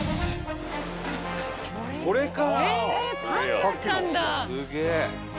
これか！